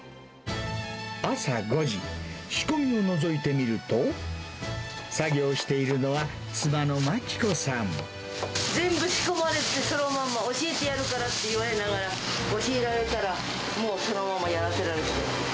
朝５時、仕込みをのぞいてみると、作業しているのは、全部仕込まれてそのまま。教えてやるからって言われながら、教えられたら、もうそのままやらせられて。